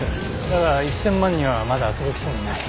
だが１０００万にはまだ届きそうにない。